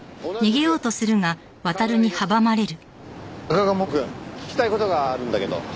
中鴨くん聞きたい事があるんだけど。